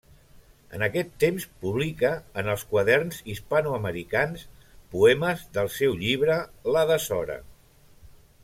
En aquest temps publica en els Quaderns Hispanoamericans poemes del seu llibre La Deshora.